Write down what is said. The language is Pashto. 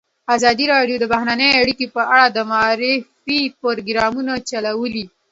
ازادي راډیو د بهرنۍ اړیکې په اړه د معارفې پروګرامونه چلولي.